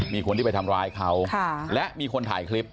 มีคนที่ไปทำร้ายเขาและมีคนถ่ายคลิป